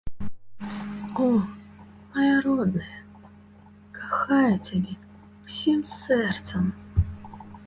О, мая родная, кахаю цябе ўсім сэрцам!